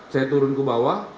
saya turun ke bawah